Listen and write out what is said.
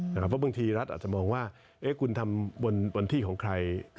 เพราะบางทีรัฐอาจจะมองว่าคุณทำบนที่ของใคร